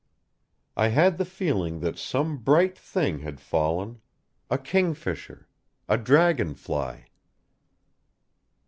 I had the feeling that some bright thing had fallen: a kingfisher, a dragonfly.